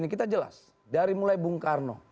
kita jelas dari mulai bung karno